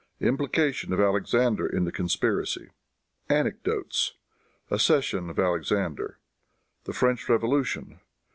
Implication of Alexander in the Conspiracy. Anecdotes. Accession of Alexander. The French Revolution.